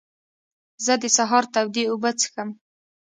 زه د سهار تودې اوبه څښم.